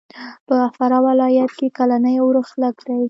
په فراه ولایت کښې کلنی اورښت لږ دی.